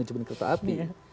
menjelang menjelang menjelang